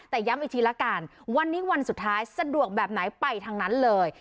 แต่ย้ำอีกทีละกันวันนี้วันสุดท้ายสะดวกแบบไหนไปทางนั้นเลย